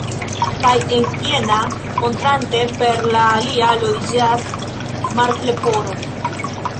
Kaj en jena, montrante per la alia, loĝas Martleporo.